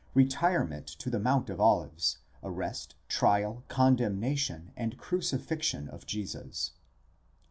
RETIREMENT TO THE MOUNT OF OLIVES, ARREST, TRIAL, CONDEMNATION AND CRUCIFIXION OF JESUS.